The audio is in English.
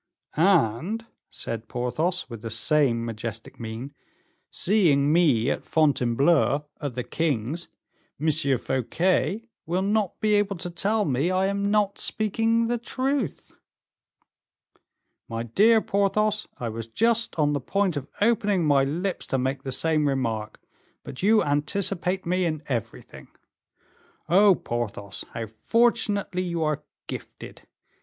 '" "And," said Porthos, with the same majestic mien, "seeing me at Fontainebleau at the king's, M. Fouquet will not be able to tell me I am not speaking the truth." "My dear Porthos, I was just on the point of opening my lips to make the same remark, but you anticipate me in everything. Oh! Porthos, how fortunately you are gifted!